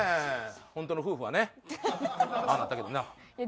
本当の夫婦はねああなったけどな。